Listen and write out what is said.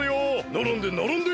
ならんでならんで！